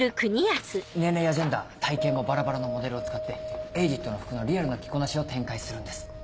年齢やジェンダー体形もバラバラのモデルを使ってエイディットの服のリアルな着こなしを展開するんです。